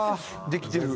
できてる。